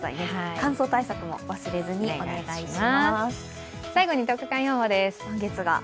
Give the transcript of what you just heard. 乾燥対策も忘れずにお願いします。